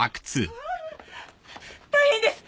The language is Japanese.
大変です！